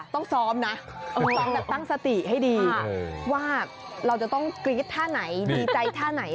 ต้องซ้อมนะซ้อมแบบตั้งสติให้ดีว่าเราจะต้องกรี๊ดท่าไหนดีใจท่าไหน